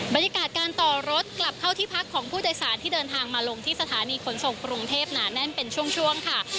บรรยากาศการต่อรถกลับเข้าที่พักของผู้โดยสารที่เดินทางมาลงที่สถานีขนส่งกรุงเทพหนาแน่นเป็นช่วงค่ะ